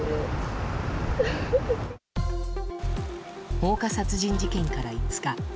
放火殺人事件から５日。